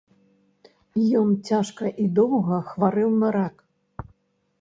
Ён цяжка і доўга хварэў на рак.